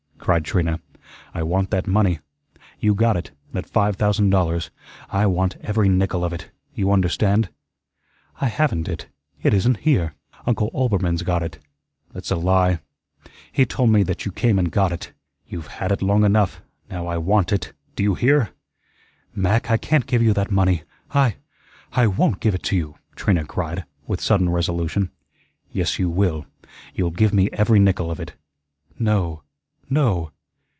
cried Trina. "I want that money. You got it that five thousand dollars. I want every nickel of it! You understand?" "I haven't it. It isn't here. Uncle Oelbermann's got it." "That's a lie. He told me that you came and got it. You've had it long enough; now I want it. Do you hear?" "Mac, I can't give you that money. I I WON'T give it to you," Trina cried, with sudden resolution. "Yes, you will. You'll give me every nickel of it." "No, NO."